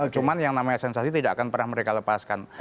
cuman yang namanya sensasi tidak akan pernah mereka lepaskan